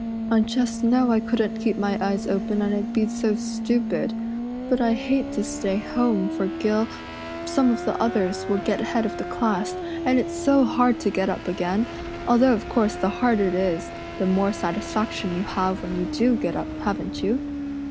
I just know I couldn't keep my eyes open and I'd be so stupid. But I hate to stay home, for Gil some of the others will get head of the class, and it's so hard to get up again although of course the harder it is the more satisfaction you have when you do get up, haven't you?"